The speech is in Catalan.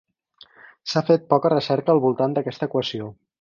S'ha fet poca recerca al voltant d'aquesta equació.